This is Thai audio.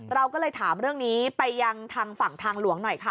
เราก็เลยถามเรื่องนี้ไปยังทางฝั่งทางหลวงหน่อยค่ะ